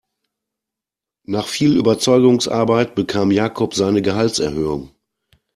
Nach viel Überzeugungsarbeit bekam Jakob seine Gehaltserhöhung.